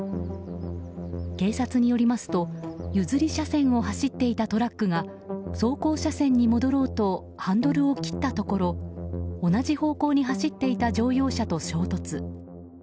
警察によりますと、ゆずり車線を走っていたトラックが走行車線に戻ろうとハンドルを切ったところ同じ方向に走っていた乗用車と衝突。